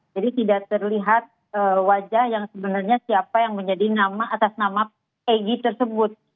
jadi tidak terlihat wajah yang sebenarnya siapa yang menjadi nama atas nama peggy tersebut